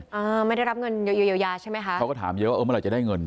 ไม่ได้รับเงินเยียวยาใช่ไหมคะเขาก็ถามเยอะว่าเออเมื่อไหร่จะได้เงิน